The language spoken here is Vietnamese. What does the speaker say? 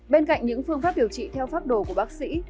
bên cạnh những phương pháp điều trị theo pháp đồ của bác sĩ